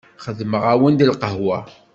Xedmeɣ-awen-d lqahwa.